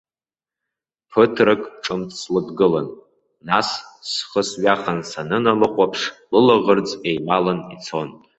Ԥыҭрак ҿымҭ слыдгылан, нас схы сҩахан саныналыхәаԥш, лылаӷырӡ еималан ицон.